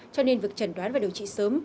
cho nên việc trần đoán và điều trị sớm